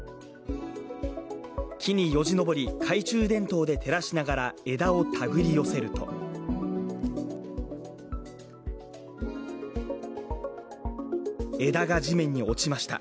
木によじ登り、懐中電灯で照らしながら枝を手繰り寄せると、枝が地面に落ちました。